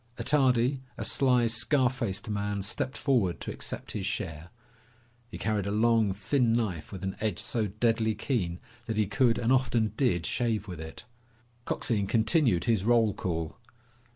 Attardi, a sly, scar faced man, stepped forward to accept his share. He carried a long, thin knife with an edge so deadly keen that he could and often did shave with it. Coxine continued his roll call.